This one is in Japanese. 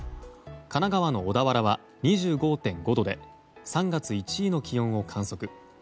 神奈川の小田原は２５．５度で３月１位の気温を観測。